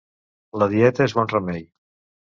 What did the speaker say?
La dieta és bon remei.